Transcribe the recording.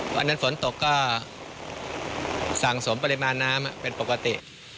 วันนั้นฝนตกก็สั่งสมปริมาณน้ำเป็นปกติ